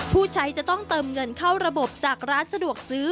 ผู้ใช้จะต้องเติมเงินเข้าระบบจากร้านสะดวกซื้อ